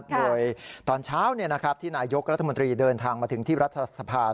โดยตอนเช้าที่นายกรัฐมนตรีเดินทางมาถึงที่รัฐสภา